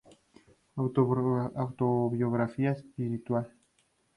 Autobiografía espiritual".